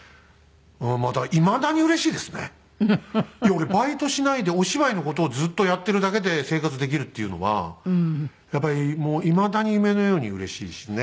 俺バイトしないでお芝居の事をずっとやってるだけで生活できるっていうのはやっぱりもういまだに夢のようにうれしいしね。